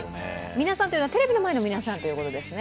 皆さんというのは、テレビの前の皆さんということですね。